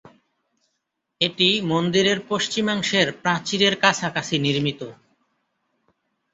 এটি মন্দিরের পশ্চিমাংশের প্রাচীরের কাছাকাছি নির্মিত।